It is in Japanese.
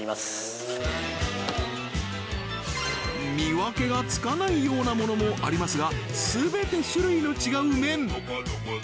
見分けがつかないようなものもありますが全て種類の違う麺